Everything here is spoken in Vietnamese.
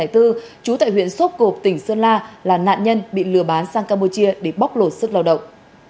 trú tại huyện sốp cộp tỉnh sơn la là nạn nhân bị lừa bán sang campuchia để bóc lột sức lao động